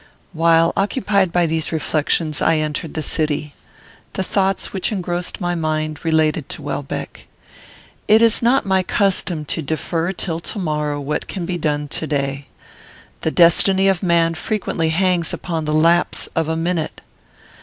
While occupied by these reflections, I entered the city. The thoughts which engrossed my mind related to Welbeck. It is not my custom to defer till to morrow what can be done to day. The destiny of man frequently hangs upon the lapse of a minute.